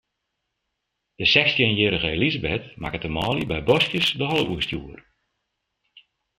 De sechstjinjierrige Elisabeth makket de manlju by boskjes de holle oerstjoer.